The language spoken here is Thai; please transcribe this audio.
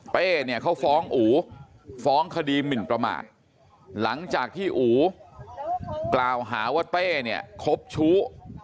เนี่ยเขาฟ้องอูฟ้องคดีหมินประมาทหลังจากที่อูกล่าวหาว่าเต้เนี่ยคบชู้